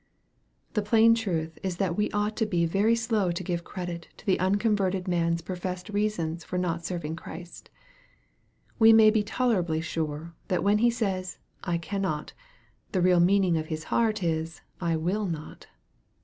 The plain truth is that we ought to be very slow to give credit to the unconverted man's professed reasons for not serving Christ. We may be tolerably sure that when he says " I cannot/' the real meaning of his heart is "I will not."